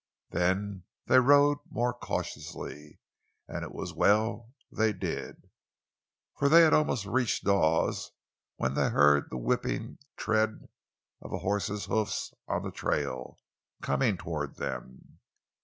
Then they rode more cautiously, and it was well they did. For they had almost reached Dawes when they heard the whipping tread of a horse's hoofs on the trail, coming toward them.